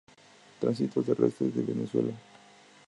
Tránsito Terrestre de Venezuela.